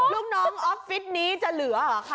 ลูกน้องออฟฟิศนี้จะเหลือเหรอคะ